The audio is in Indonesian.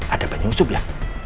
ada penyusup ya